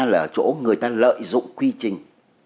là chỗ người ta lợi dụng quy trình